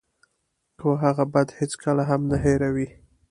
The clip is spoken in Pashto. خو هغه بد هېڅکله هم نه هیروي.